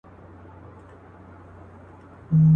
لاره ورکه سوه د کلي له وګړو.